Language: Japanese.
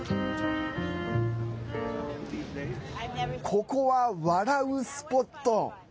ここは、笑うスポット。